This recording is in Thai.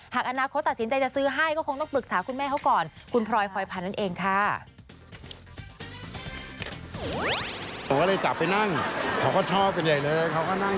หากอนาคตเขาตัดสินใจจะซื้อให้ก็คงต้องปรึกษาคุณแม่เขาก่อน